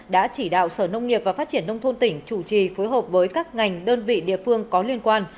đã chỉ đạo sở nông nghiệp và phát triển nông thôn tỉnh chủ trì phối hợp với các ngành đơn vị địa phương có liên quan